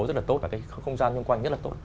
rất là tốt và cái không gian quanh rất là tốt